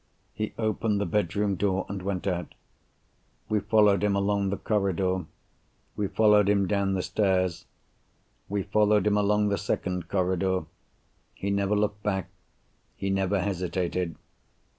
He opened the bedroom door, and went out. We followed him along the corridor. We followed him down the stairs. We followed him along the second corridor. He never looked back; he never hesitated.